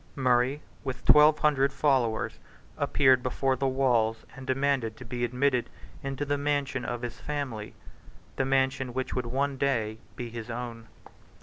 Murray, with twelve hundred followers, appeared before the walls and demanded to be admitted into the mansion of his family, the mansion which would one day be his own.